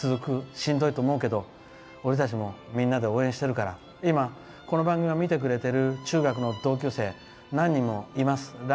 しんどいと思うけど俺たちもみんなで応援してるから今、この番組を見てくれている中学の同級生が何人もいます。